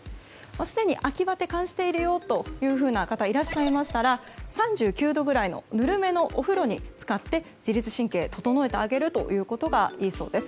すでに秋バテを感じている方がいらっしゃいましたら３９度ぐらいのぬるめのお風呂に浸かって、自律神経を整えてあげることがいいそうです。